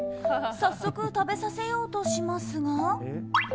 早速、食べさせようとしますが。